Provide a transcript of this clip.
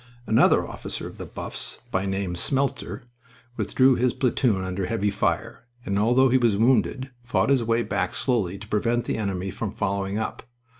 Another officer of the Buff's by name Smeltzer withdrew his platoon under heavy fire, and, although he was wounded, fought his way back slowly to prevent the enemy from following up.